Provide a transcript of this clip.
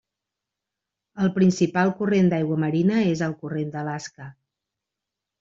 El principal corrent d'aigua marina és el corrent d'Alaska.